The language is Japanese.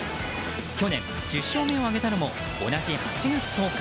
去年１０勝目を挙げたのも同じ８月１０日。